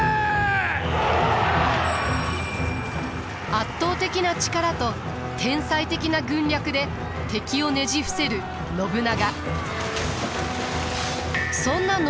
圧倒的な力と天才的な軍略で敵をねじ伏せる信長。